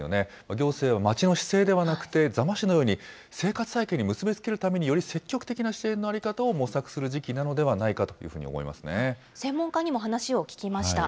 行政は待ちの姿勢ではなくて座間市のように生活再建に結び付けるためにより積極的な支援の在り方を模索する時期なのではないかと専門家にも話を聞きました。